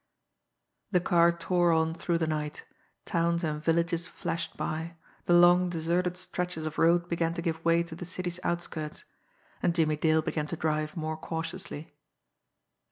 The car tore on through the night; towns and villages flashed by; the long, deserted stretches of road began to give way to the city's outskirts and Jimmie Dale began to drive more cautiously.